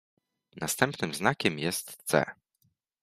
"Następnym znakiem jest C."